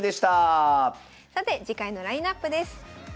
さて次回のラインナップです。